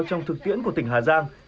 trong thực tiễn của tỉnh hà giang